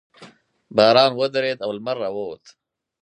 باران ودرېد او لمر راووت.